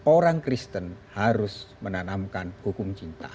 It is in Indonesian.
orang kristen harus menanamkan hukum cinta